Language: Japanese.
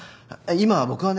今僕はね。